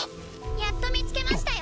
やっと見つけましたよ